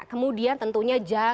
kemudian tentunya jangan